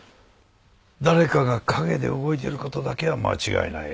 誰かが陰で動いている事だけは間違いない。